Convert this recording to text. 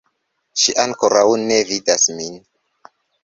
Ŝi ankoraŭ ne vidas min